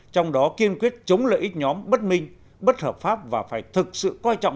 trong đó kiên quyết chống lợi ích nhóm bất minh bất hợp pháp và phải thực sự coi trọng